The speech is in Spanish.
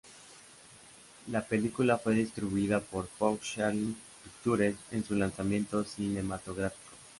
La película fue distribuida por Fox Searchlight Pictures en su lanzamiento cinematográfico.